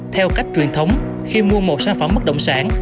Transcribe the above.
theo cách truyền thống khi mua một sản phẩm bất động sản